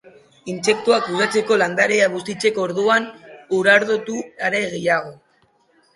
Intsektuak uxatzeko landarea bustitzeko orduan, urardotu are gehiago.